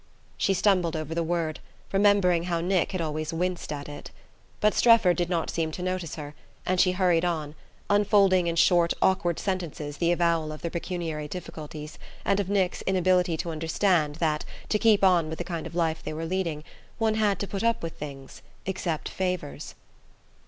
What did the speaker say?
She stumbled over the word, remembering how Nick had always winced at it. But Strefford did not seem to notice her, and she hurried on, unfolding in short awkward sentences the avowal of their pecuniary difficulties, and of Nick's inability to understand that, to keep on with the kind of life they were leading, one had to put up with things... accept favours....